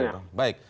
pak margarito baik